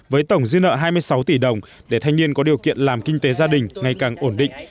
với tổng dư nợ hai mươi sáu tỷ đồng để thanh niên có điều kiện làm kinh tế gia đình ngày càng ổn định